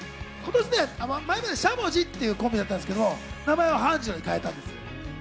前まで「しゃもじ」っていうコンビ名だったんですけど、ハンジロウに名前を変えたんです。